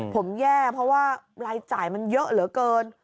ผมแย่เพราะว่ารายจ่ายมันเยอะเหลือเกิน